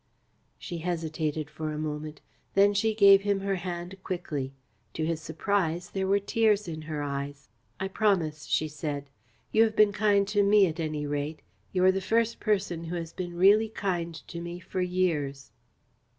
She hesitated for a moment. Then she gave him her hand quickly. To his surprise there were tears in her eyes. "I promise," she said. "You have been kind to me, at any rate. You are the first person who has been really kind to me for years."